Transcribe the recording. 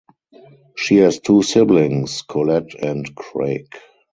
She has two siblings, Colette and Craig.